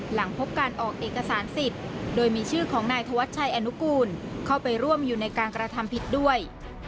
หลังพบการออกเอกสารสิทธิ์โดยมีชื่อของนายธวัชชัยอนุกูลเข้าไปร่วมอยู่ในการกระทำผิดด้วย